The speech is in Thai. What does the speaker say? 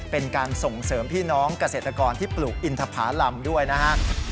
เป็นการส่งเสริมพี่น้องเกษตรกรที่ปลูกอินทภารำด้วยนะฮะ